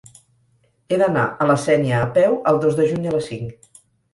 He d'anar a la Sénia a peu el dos de juny a les cinc.